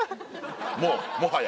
もうもはや。